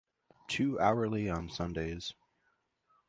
Two-hourly on Sundays.